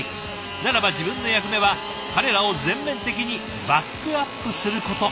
ならば自分の役目は彼らを全面的にバックアップすること。